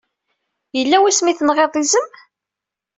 Yella wasmi ay tenɣiḍ izem?